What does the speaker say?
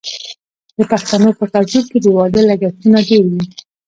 د پښتنو په کلتور کې د واده لګښتونه ډیر وي.